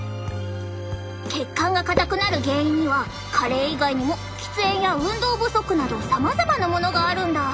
血管が硬くなる原因には加齢以外にも喫煙や運動不足などさまざまなものがあるんだ。